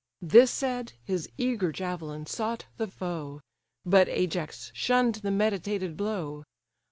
This said, his eager javelin sought the foe: But Ajax shunn'd the meditated blow.